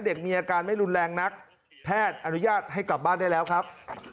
เด็กมีอาการไม่รุนแรงนักแพทย์อนุญาตให้กลับบ้านได้แล้วครับ